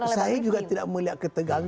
saya juga tidak melihat ketegangan